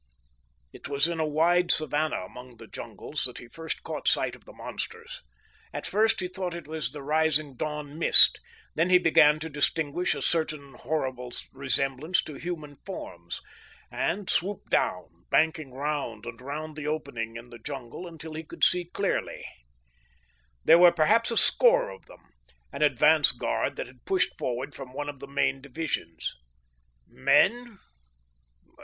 It was in a wide savannah among the jungles that he first caught sight of the monsters. At first he thought it was the rising dawn mist; then he began to distinguish a certain horrible resemblance to human forms, and swooped down, banking round and round the opening in the jungle until he could see clearly. There were perhaps a score of them, an advance guard that had pushed forward from one of the main divisions. Men?